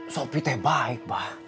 sopi teh baik mbah